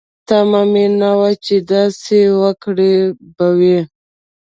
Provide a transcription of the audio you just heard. تمه مې نه وه چې داسې وګړي به وي.